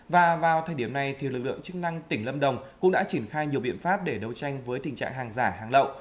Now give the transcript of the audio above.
và vào thời điểm này lực lượng chức năng tỉnh lâm đồng cũng đã triển khai nhiều biện pháp để đấu tranh với tình trạng hàng giả hàng lậu